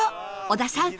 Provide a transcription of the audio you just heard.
小田さん